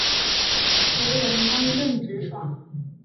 为人刚正直爽。